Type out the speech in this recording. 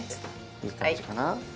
いい感じかな？